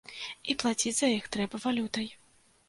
І плаціць за іх трэба валютай.